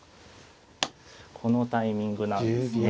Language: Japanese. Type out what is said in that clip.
このタイミングなんですね。